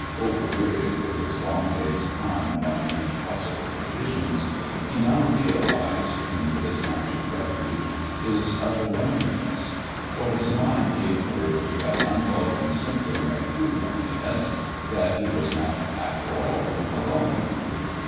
Over wearied with his long day's climb among impossible conditions, he now realised, in this mountain refuge, his utter loneliness; for his mind gave birth to that unwelcome symptom of true loneliness that he was not, after all, alone.